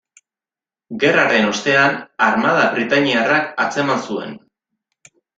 Gerraren ostean, armada britainiarrak atzeman zuen.